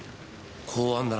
公安だな。